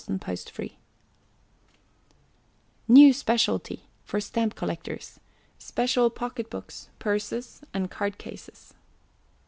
NEW SPECIALITY. FOR STAMP COLLECTORS. SPECIAL POCKET BOOKS, PURSES, AND CARD CASES.